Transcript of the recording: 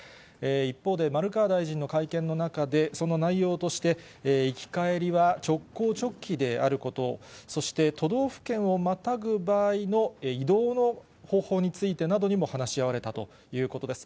一方で、丸川大臣の会見の中で、その内容として、行き帰りは直行直帰であること、そして都道府県をまたぐ場合の移動の方法についてなどにも話し合われたということです。